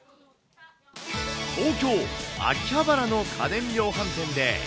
東京・秋葉原の家電量販店で。